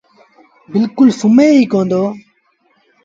بلڪُل سمهي ئيٚ ڪوندو۔